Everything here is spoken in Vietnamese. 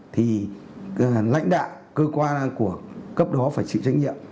thì lãnh đạo cơ quan của cấp đó phải chịu trách nhiệm